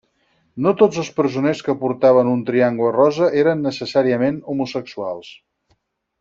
No tots els presoners que portaven un triangle rosa eren necessàriament homosexuals.